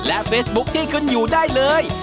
และเฟซบุ๊คที่คุณอยู่ได้เลย